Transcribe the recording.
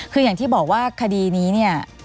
คืออย่างที่บอกว่าคดีนี้เนี่ย